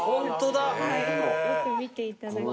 よく見ていただくと。